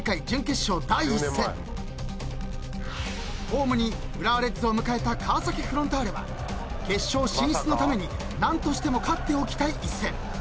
［ホームに浦和レッズを迎えた川崎フロンターレは決勝進出のために何としても勝っておきたい一戦］